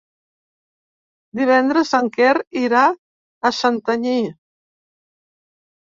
Divendres en Quer irà a Santanyí.